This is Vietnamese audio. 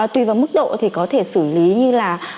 tùy vào mức độ thì có thể xử lý như là